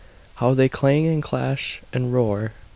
How they clang, and clash, and roar!